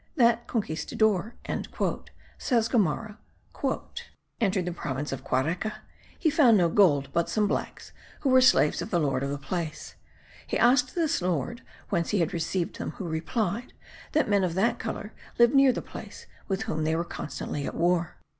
"That conquistador," says Gomara, "entered the province of Quareca: he found no gold, but some blacks, who were slaves of the lord of the place. He asked this lord whence he had received them; who replied, that men of that colour lived near the place, with whom they were constantly at war...